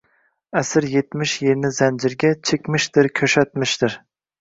Asir etmish yerni zanjirga, chekmishdir, koʻshatmishdir